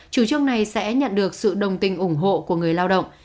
triệu chứng này sẽ nhận được sự đồng tình ủng hộ của người lao động